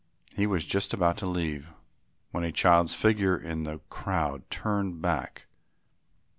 He was just about to leave, when a child's figure in the crowd turned back.